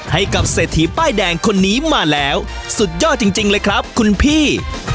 ให้กับเศรษฐีป้ายแดงคนนี้มาแล้วสุดยอดจริงเลยครับคุณพี่